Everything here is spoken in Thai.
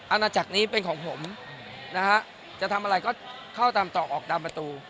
อาณาจักรนี้เป็นของผมนะฮะจะทำอะไรก็เข้าตามต่อออกตามประตู